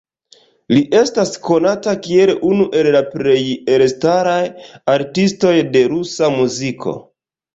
Li estas konata kiel unu el la plej elstaraj artistoj de rusa muziko.